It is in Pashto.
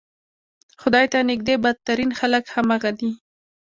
خدای ته نږدې بدترین خلک همغه دي.